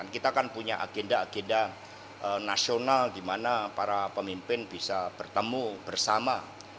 kita kan punya agenda agenda nasional di mana para pemimpin bisa bertemu bersama